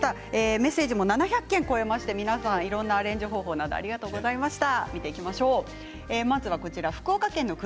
メッセージも７００件を超えまして皆さんいろんなアレンジ方法などありがとうございました。